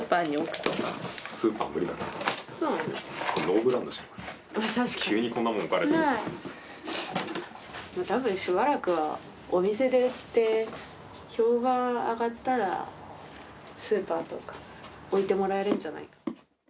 たぶんしばらくはお店で売って、評判上がったら、スーパーとか置いてもらえるんじゃないかな。